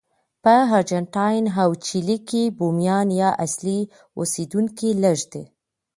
په ارجنټاین او چیلي کې بومیان یا اصلي اوسېدونکي لږ دي.